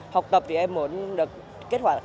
học tập thì em muốn được